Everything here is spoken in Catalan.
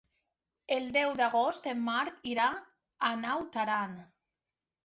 El deu d'agost en Marc irà a Naut Aran.